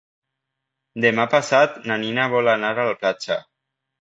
Demà passat na Nina vol anar a la platja.